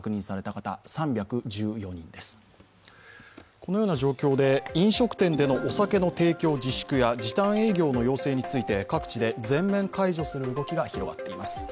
このような状況で飲食店でのお酒の提供自粛や時短営業の要請について各地で全面解除する動きが広がっています。